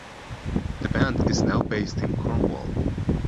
The band is now based in Cornwall.